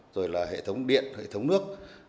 rồi là hệ thống điện hệ thống nước